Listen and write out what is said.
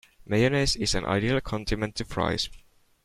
Mayonnaise is an ideal condiment to Fries.